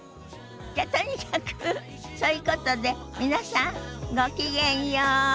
じゃとにかくそういうことで皆さんごきげんよう。